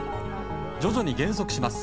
徐々に減速します。